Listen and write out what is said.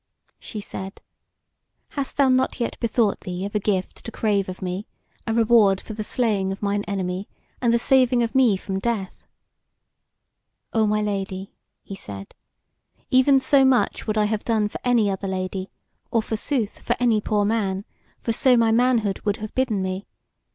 She said: "Hast thou not yet bethought thee of a gift to crave of me, a reward for the slaying of mine enemy, and the saving of me from death?" "O my Lady," he said, "even so much would I have done for any other lady, or, forsooth, for any poor man; for so my manhood would have bidden me.